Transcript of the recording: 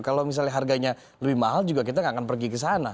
kalau misalnya harganya lebih mahal juga kita nggak akan pergi ke sana